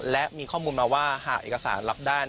และมีข้อมูลมาว่าหากเอกสารรับได้